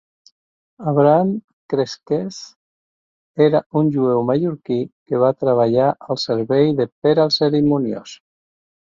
Abraham Cresques era un jueu mallorquí que va treballar al servei de Pere el Cerimoniós.